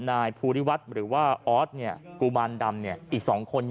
นายพูดิวัตรหรือว่าคอธเนี่ยกุมารดำเนี่ย๒คน